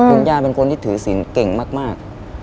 คุณย่าเป็นคนที่ถือศิลป์เก่งมาก